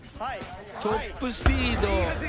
トップスピード。